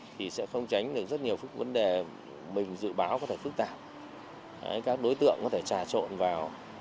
thì sẽ không tránh được rất nhiều vấn đề mình dự báo có thể phức tạp các đối tượng có thể trà trộn vào